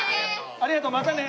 ありがとうまたね。